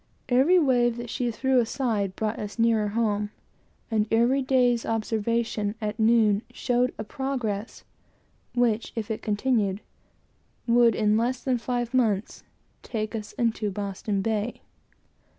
Every wave that she threw aside brought us nearer home, and every day's observation at noon showed a progress which, if it continued, would in less than five months, take us into Boston Bay.